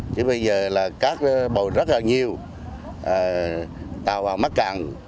chứ bây giờ là cát bầu rất là nhiều tàu vào mắc càng